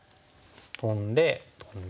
トンでトンで。